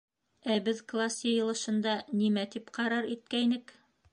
— Ә беҙ класс йыйылышында нимә тип ҡарар иткәйнек?